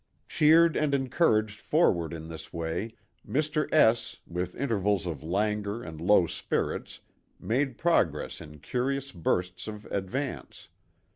Cheered and encouraged forward in this way, Mr. S , with intervals of languor and low spirits, made progress in curious bursts of ad vance.